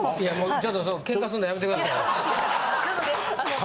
ちょっとケンカすんのやめてくださいよ。